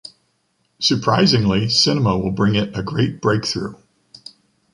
Surprisingly, cinema will bring it a great breakthrough.